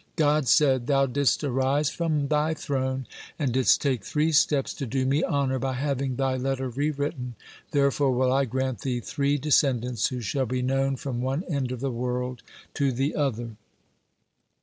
God said: "Thou didst arise from thy throne, and didst take three steps to do Me honor, by having thy letter re written, therefore will I grant thee three descendants who shall be known from one end of the world to the other."